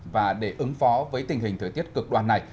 và để ứng phó với tình hình thời tiết cực đoan này